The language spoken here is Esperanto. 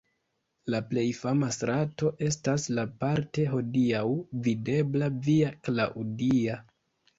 La plej fama strato estas la parte hodiaŭ videbla Via Claudia.